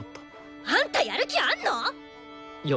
あんたやる気あんの！？よ